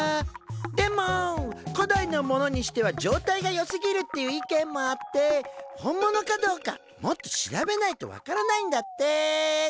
でも古代のものにしては状態がよすぎるっていう意見もあって本物かどうかもっと調べないと分からないんだって。